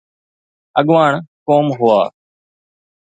اڳواڻ قوم هئا.